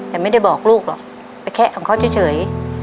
แต่ไม่ได้บอกลูกหรอกไปแคะของเขาเฉย